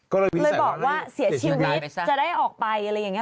ก็เลยบอกว่าเสียชีวิตจะได้ออกไปอะไรอย่างนี้